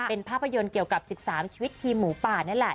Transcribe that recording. เป็นภาพยนตร์เกี่ยวกับ๑๓ชีวิตทีมหมูป่านั่นแหละ